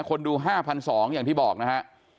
คนดู๕๒๐๐อย่างที่บอกนะฮะ